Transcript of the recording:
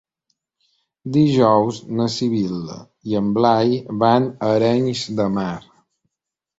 Dijous na Sibil·la i en Blai van a Arenys de Mar.